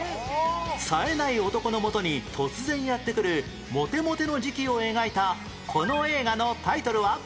さえない男のもとに突然やって来るモテモテの時期を描いたこの映画のタイトルは？